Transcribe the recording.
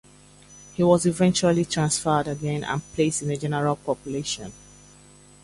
He was eventually transferred again and placed in general population.